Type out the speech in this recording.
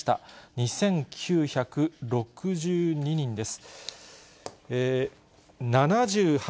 ２９６２人です。